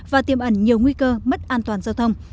và tiêm ẩn nhiều nguy cơ mất an toàn giao thông